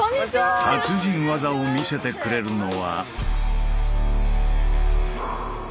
達人技を見せてくれるのは。